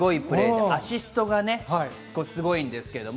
アシストがすごいんですよね。